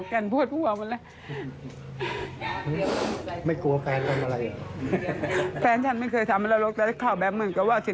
แล้วตัวเอ็ดยังมาทิ้งลิงอีกอะไรอย่างนี้